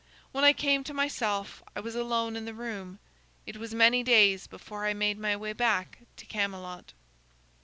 When I came to myself, I was alone in the room. It was many days before I made my way back to Camelot."